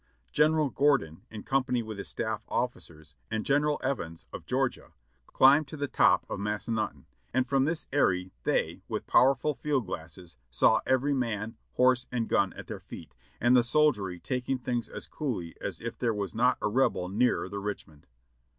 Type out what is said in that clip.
General Gordon, in company with his staf¥ officers, and General Evans, of Georgia, climbed to the top of the Massanutten, and from this aerie they, with powerful field glasses, saw every man, horse and gun at their feet, and the soldiery taking things as coolly as if there was not a Rebel nearer than Richmond.